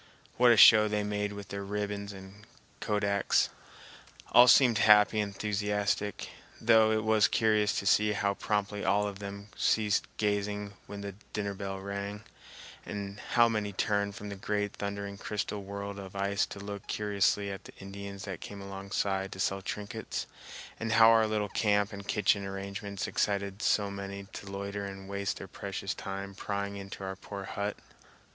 What a show they made with their ribbons and kodaks! All seemed happy and enthusiastic, though it was curious to see how promptly all of them ceased gazing when the dinner bell rang, and how many turned from the great thundering crystal world of ice to look curiously at the Indians that came alongside to sell trinkets, and how our little camp and kitchen arrangements excited so many to loiter and waste their precious time prying into our poor hut.